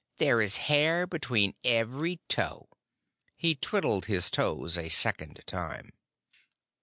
There is hair between every toe!" He twiddled his toes a second time.